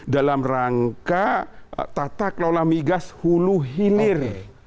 dalam rangka tata kelola migas hulu hilir